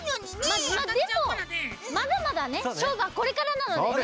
まあでもまだまだねしょうぶはこれからなのでね。